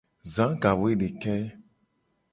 Za gawoedeke.